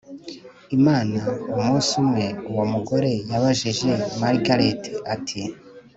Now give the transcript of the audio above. imana umunsi umwe uwo mugore yabajije margret ati